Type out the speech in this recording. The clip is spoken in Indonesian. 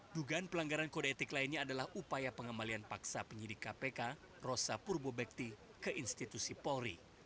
dugaan pelanggaran kode etik lainnya adalah upaya pengembalian paksa penyidik kpk rosa purbo bekti ke institusi polri